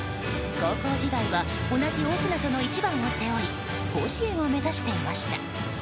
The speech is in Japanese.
高校時代は同じ大船渡の１番を背負い甲子園を目指していました。